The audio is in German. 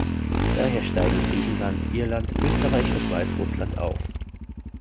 Daher steigen Griechenland, Irland, Österreich und Weißrussland auf.